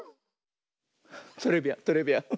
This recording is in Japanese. トレビアントレビアン。